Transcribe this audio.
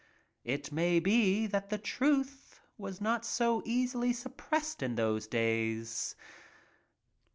It may be that the truth was not so easily suppressed in those days.